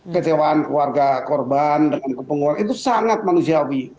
kecewaan keluarga korban dengan kepenguaran itu sangat manusiawi